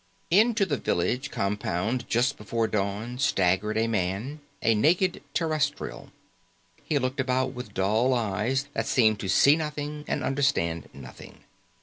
Into the village compound just before dawn, staggered a man, a naked terrestrial. He looked about with dull eyes that seemed to see nothing and understand nothing.